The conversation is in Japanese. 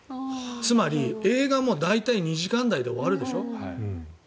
つまり映画も大体２時間台で終わるでしょ。